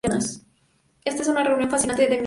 Esta es una reunión fascinante de mentes".